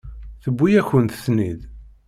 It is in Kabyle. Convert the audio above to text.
Tewwi-yakent-tent-id.